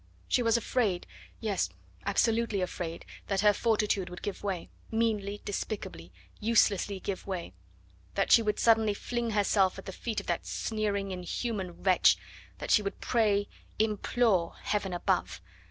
She was afraid yes, absolutely afraid that her fortitude would give way meanly, despicably, uselessly give way; that she would suddenly fling herself at the feet of that sneering, inhuman wretch, that she would pray, implore Heaven above!